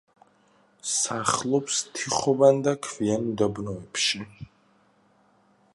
სახლობს თიხოვან და ქვიან უდაბნოებში.